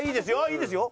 いいですよ